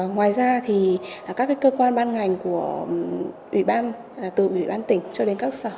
ngoài ra các cơ quan ban ngành từ ủy ban tỉnh cho đến các sở